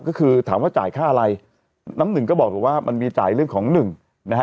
ก็คือถามว่าจ่ายค่าอะไรน้ำหนึ่งก็บอกว่ามันมีจ่ายเรื่องของหนึ่งนะฮะ